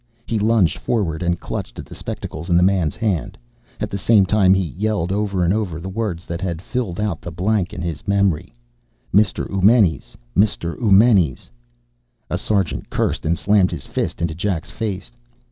He lunged forward and clutched at the spectacles in the man's hand. At the same time he yelled over and over the words that had filled out the blank in his memory. "Mr. Eumenes! Mr. Eumenes!" A sergeant cursed and slammed his fist into Jack's face.